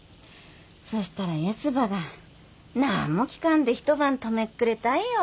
そしたらヤスばがなあんも聞かんで一晩泊めっくれたっよ。